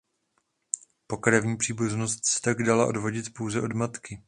Pokrevní příbuznost se tak dala odvodit pouze od matky.